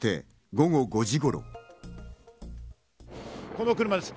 この車です。